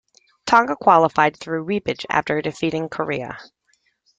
Tonga qualified through repechage after defeating Korea.